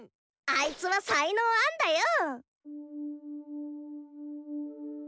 あいつは才能あんだよ！